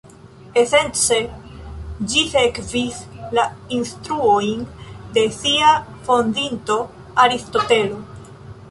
Esence, ĝi sekvis la instruojn de sia fondinto Aristotelo.